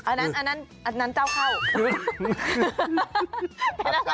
อันนั้นอันนั้นเจ้าเข้า